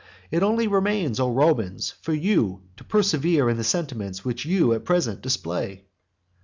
It only remains, O Romans, for you to persevere in the sentiments which you at present display.